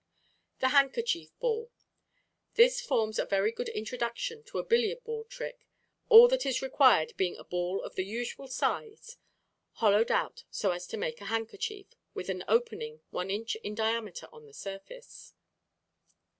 The Handkerchief Ball.—This forms a very good introduction to a billiard ball trick, all that is required being a ball of the usual size, hollowed out so as to take a handkerchief, with an opening 1 in. in diameter on the surface.